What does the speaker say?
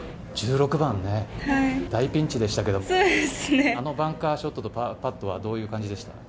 １６番、大ピンチでしたけどあのバンカーショットとパットはどういう感じでした？